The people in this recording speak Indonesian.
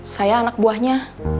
saya anak buahnya